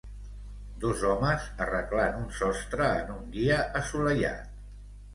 Dos homes arreglant un sostre en un dia assolellat.